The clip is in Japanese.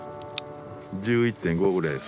１１．５ぐらいです